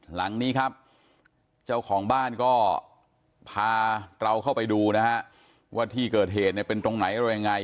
หลังนี้ครับเจ้าของบ้านก็พาเราเข้าไปดูนะฮะว่าที่เกิดเหตุเนี่ยเป็นตรงไหนอะไรยังไง